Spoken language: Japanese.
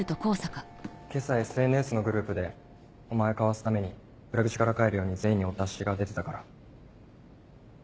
今朝ＳＮＳのグループでお前かわすために裏口から帰るように全員にお達しが出てたから。